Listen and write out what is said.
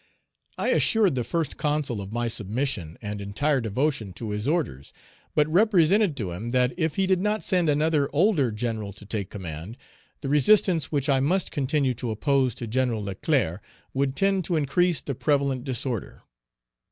I assured the First Consul of my submission and entire devotion to his orders, but represented to him "that if he did not send another older general to take command, the resistance which I must continue to oppose to Gen. Leclerc would tend to increase the prevalent disorder."